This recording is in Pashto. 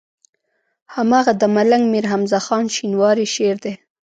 هماغه د ملنګ مير حمزه خان شينواري شعر دی.